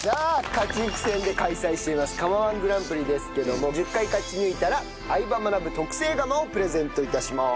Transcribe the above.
勝ち抜き戦で開催しています釜−１グランプリですけども１０回勝ち抜いたら『相葉マナブ』特製釜をプレゼント致します。